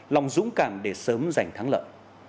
lòng dũng cảm để sớm giành thắng lợi